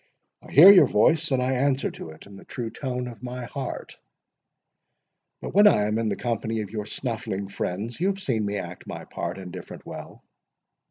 I hear your voice, and I answer to it in the true tone of my heart; but when I am in the company of your snuffling friends, you have seen me act my part indifferent well."